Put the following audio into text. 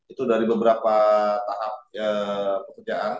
itu dari beberapa tahap pekerjaan